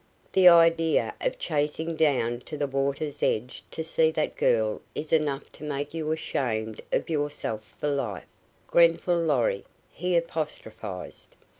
"The idea of chasing down to the water's edge to see that girl is enough to make you ashamed of yourself for life, Grenfall Lorry," he apostrophized.